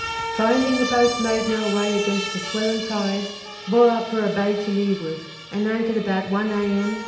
Finding the boat made no way against the swell and tide, bore up for a bay to leeward, and anchored about one A.M.